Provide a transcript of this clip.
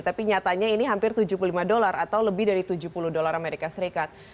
tapi nyatanya ini hampir tujuh puluh lima dolar atau lebih dari tujuh puluh dolar amerika serikat